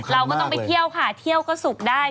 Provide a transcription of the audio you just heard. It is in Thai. เราก็ต้องไปเที่ยวค่ะเที่ยวก็สุกได้